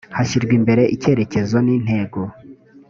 hashyirwa imbere icyerekezo n intego